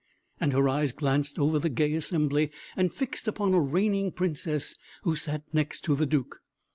and her eyes glanced over the gay assembly, and fixed upon a reigning Princess who sat next to the Duke.